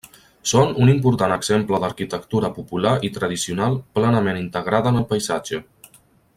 Són un important exemple d'arquitectura popular i tradicional plenament integrada en el paisatge.